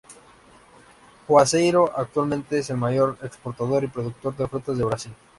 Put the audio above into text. Juazeiro, actualmente, es el mayor exportador y productor de frutas de Brasil.